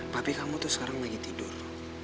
tapi kamu tuh sekarang lagi tidur